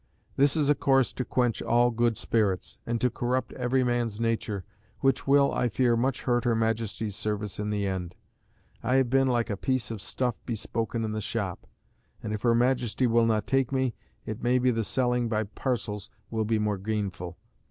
This is a course to quench all good spirits, and to corrupt every man's nature, which will, I fear, much hurt her Majesty's service in the end. I have been like a piece of stuff bespoken in the shop; and if her Majesty will not take me, it may be the selling by parcels will be more gainful.